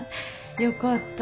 よかった。